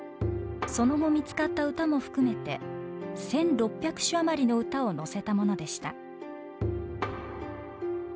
その後見つかった歌も含めて１，６００首余りの歌を載せたものでした。